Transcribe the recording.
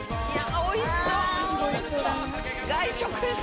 おいしそう。